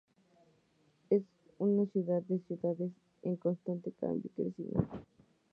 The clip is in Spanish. Es una ciudad de ciudades en constante cambio y crecimiento.